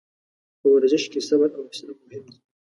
په ورزش کې صبر او حوصله مهم دي.